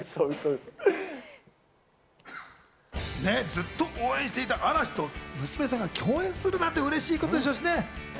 ずっと応援していた嵐と娘さんが共演するなんて嬉しいことでしょうね。